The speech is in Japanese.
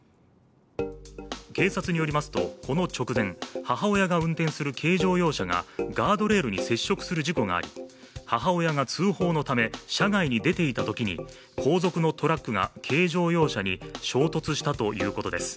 警察によりますと、この直前、母親が運転する軽乗用車がガードレールに接触する事故があり母親が通報のため車外に出ていたときに後続のトラックが軽乗用車に衝突したということです。